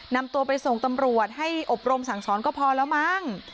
นำตัวไปส่งตำรวจให้อบรมสั่งสอนก็พอแล้วมั้ง